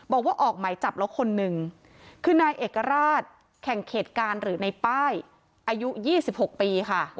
ออกหมายจับแล้วคนหนึ่งคือนายเอกราชแข่งเขตการหรือในป้ายอายุ๒๖ปีค่ะ